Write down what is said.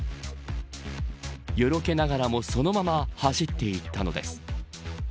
よろけながらもそのまま走っていったのです。